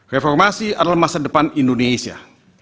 reformasi adalah masa depan indonesia